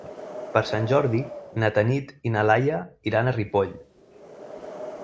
Per Sant Jordi na Tanit i na Laia iran a Ripoll.